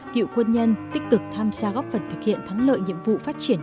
cựu quân nhân tích cực tham gia góp phần thực hiện thắng lợi nhiệm vụ phát triển